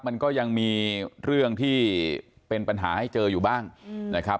มันก็ยังมีเรื่องที่เป็นปัญหาให้เจออยู่บ้างนะครับ